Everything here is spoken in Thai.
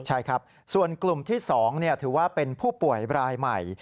ใช่ครับส่วนกลุ่มที่๒ถือว่าเป็นผู้ป่วยรายใหม่